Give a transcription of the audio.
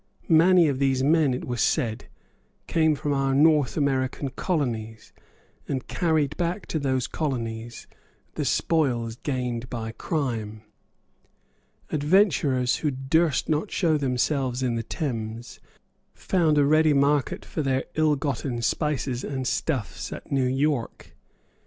Many of these men, it was said, came from our North American colonies, and carried back to those colonies the spoils gained by crime. Adventurers who durst not show themselves in the Thames found a ready market for their illgotten spices and stuffs at New York.